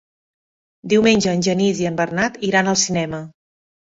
Diumenge en Genís i en Bernat iran al cinema.